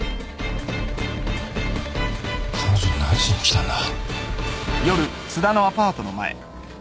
彼女何しに来たんだ？